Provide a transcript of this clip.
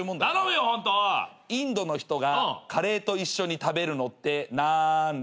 インドの人がカレーと一緒に食べるのってなんだ？